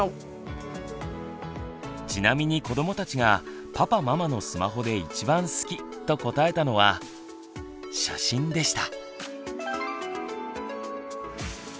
ちなみに子どもたちが「パパママのスマホで一番好き」と答えたのは「写真」でした。